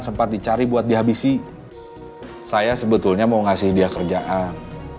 sebetulnya mau ngasih dia kerjaan